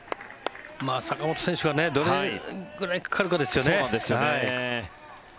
坂本選手がどれくらいかかるかですよね。